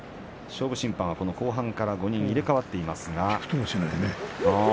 勝負審判は後半から５人入れ代わっていますが。